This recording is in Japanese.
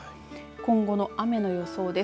今後の雨の予想です。